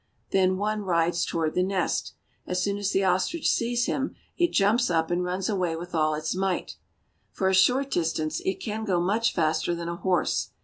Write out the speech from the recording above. Then one rides toward the nest. As soon as the ostrich sees him, it jumps up and runs away with all its might. For a short distance it can go much faster than a horse.